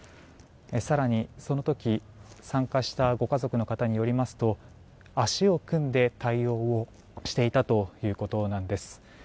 更にその時、参加したご家族の方によりますと足を組んで対応をしていたということなんです。